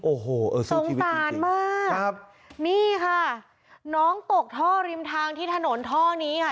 โอ้โหสงสารมากครับนี่ค่ะน้องตกท่อริมทางที่ถนนท่อนี้ค่ะ